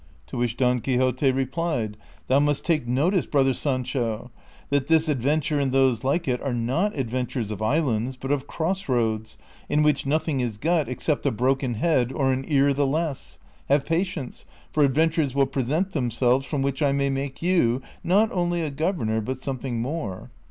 To which Don Quixote replied, " Thou must take notice, brother Sancho, that this adventure and those like it are not adventures of islands, but of cross roads, in Avhicli nothing is got except a broken head or an ear the less : have patience, for adventures will present themselves from which I may make you, not only a governor, but something more."